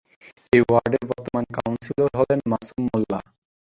এ ওয়ার্ডের বর্তমান কাউন্সিলর হলেন মাসুম মোল্লা।